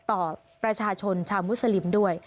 ต่อประชาชนชาวมุสลิมด้วย